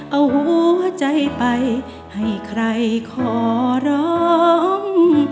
เอาหัวใจไปให้ใครขอร้อง